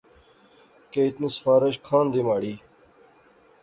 کہ اتنی سفارش کھان دی مہاڑی؟